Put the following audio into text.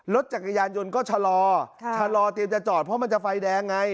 รถจักรยานยนต์ก็ชะลอชะลอเตรียมจะจอดเพราะมันจะไฟแดงไง